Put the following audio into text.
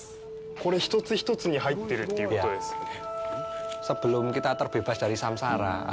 これ一つ一つに入ってるということですよね。